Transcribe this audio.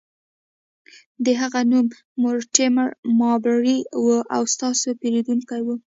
د هغه نوم مورټیمر مابرلي و او ستاسو پیرودونکی و